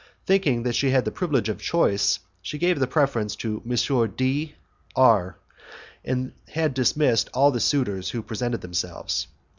Thinking that she had the privilege of the choice, she had given the preference to M. D R , and had dismissed all the suitors who presented themselves.